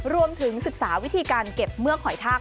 รวมถึงศึกษาวิธีการเก็บเมือกหอยทาก